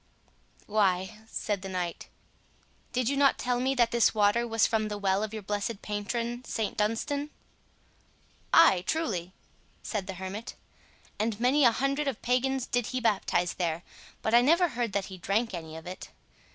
"Why," said the knight, "did you not tell me that this water was from the well of your blessed patron, St Dunstan?" "Ay, truly," said the hermit, "and many a hundred of pagans did he baptize there, but I never heard that he drank any of it.